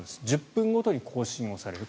１０分ごとに更新される。